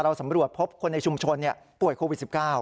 สำรวจพบคนในชุมชนป่วยโควิด๑๙